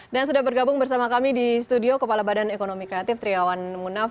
dan sudah bergabung bersama kami di studio kepala badan ekonomi kreatif triawan munaf